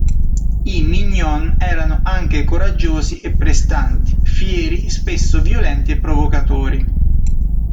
I "mignon" erano anche coraggiosi e prestanti, fieri, spesso violenti e provocatori.